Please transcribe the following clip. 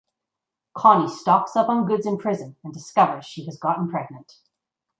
Connie stocks up on goods in prison and discovers she has gotten pregnant.